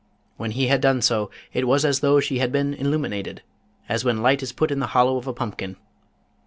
When he had done so, it was as though she had been illuminated, as when light is put in the hollow of a pumpkin.